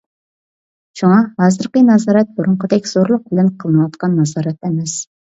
شۇڭا ھازىرقى نازارەت بۇرۇنقىدەك زورلۇق بىلەن قىلىنىۋاتقان نازارەت ئەمەس.